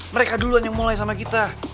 mereka duluan yang mulai sama kita